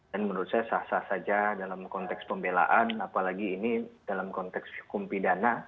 dan menurut saya sah sah saja dalam konteks pembelaan apalagi ini dalam konteks hukum pidana